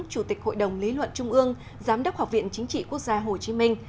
chủ tịch hội đồng lý luận trung ương giám đốc học viện chính trị quốc gia hồ chí minh